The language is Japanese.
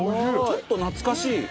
ちょっと懐かしい。